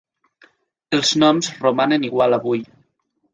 Els noms romanen igual avui.